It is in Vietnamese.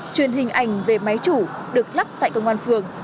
truyền hình ảnh về máy chủ được lắp tại công an phường